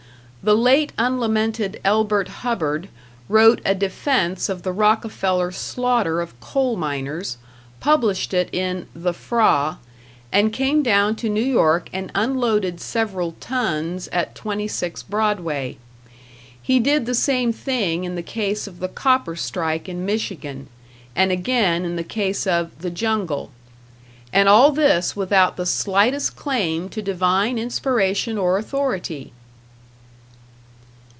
The late unlamented Elbert Hubbard wrote a defense of the Rockefeller slaughter of coal miners, published it in "The Fra," and came down to New York and unloaded several tons at 26 Broadway; he did the same thing in the case of the copper strike in Michigan, and again in the case of "The Jungle" and all this without the slightest claim to divine inspiration or authority!